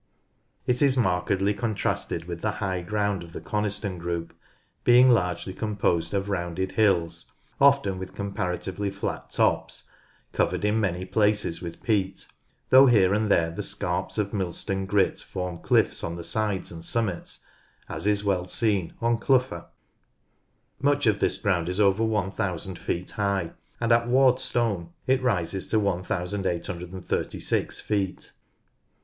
It is markedly contrasted with the high ground of the Coniston group, being largely composed of rounded hills, often with comparatively flat tops, covered in many places with peat, though here and there the scarps of Millstone Grit form cliffs on the sides and summits, as is well seen on Clougha. Much of this ground is over 1000 feet High, and at Ward's Stone it rises to 1836 feet.